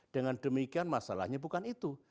dengan demikian masalahnya bukan itu